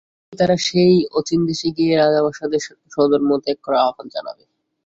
তদুপরি তারা সেই অচিন দেশে গিয়ে রাজা-বাদশাহদেরকে স্বধর্ম ত্যাগ করার আহবান জানাবে।